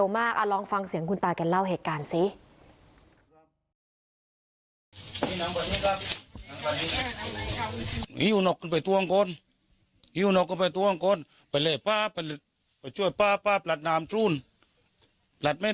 มากลองฟังเสียงคุณตาแกเล่าเหตุการณ์สิ